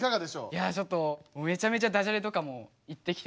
いやちょっとめちゃめちゃダジャレとかも言ってきて。